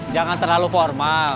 jangan terlalu formal